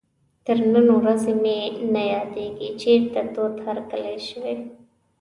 تر نن ورځې مې نه یادېږي چېرته تود هرکلی شوی.